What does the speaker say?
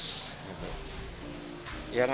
jadi kalau kita lihat di dki jakarta